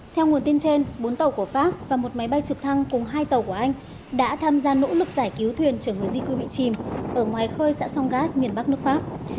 theo nguồn tin trên bốn tàu của pháp và một máy bay trực thăng cùng hai tàu của anh đã tham gia nỗ lực giải cứu thuyền chở người di cư bị chìm ở ngoài khơi xã songgat miền bắc nước pháp